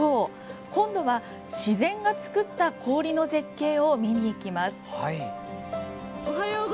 今度は自然が作った氷の絶景を見に行きます。